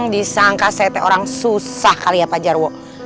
disangka ct orang susah kali ya pak jarwo